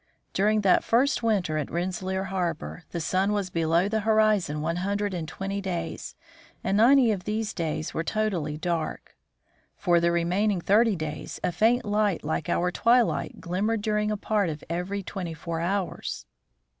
During that first winter in Rensselaer harbor, the sun was below the horizon one hundred and twenty days, and ninety of these days were totally dark ; for the remaining thirty days a faint light like our twilight glim mered during a part of every twenty four hours.